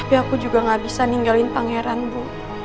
tapi aku juga gak bisa ninggalin pangeran bu